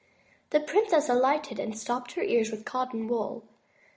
The princess alighted, and stopped her ears with cotton wool.